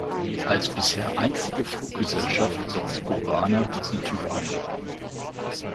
Als bisher einzige Fluggesellschaft setzt Cubana diesen Typ ein.